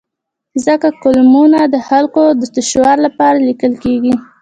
ځکه کالمونه د خلکو د شعور لپاره لیکل کېږي.